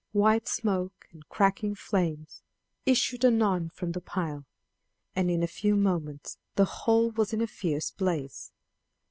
White smoke and crackling flames issued anon from the pile, and in a few moments the whole was in a fierce blaze.